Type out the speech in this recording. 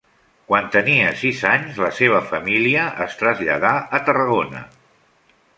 Quan tenia sis anys la seva família es traslladà a Tarragona.